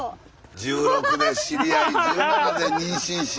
１６で知り合い１７で妊娠し。